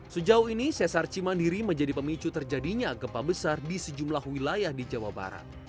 sejauh ini sesar cimandiri menjadi pemicu terjadinya gempa besar di sejumlah wilayah di jawa barat